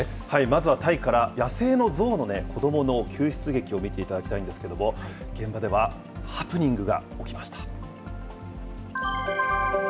まずはタイから、野生の象の子どもの救出劇を見ていただきたいんですけれども、現場ではハプニングが起きました。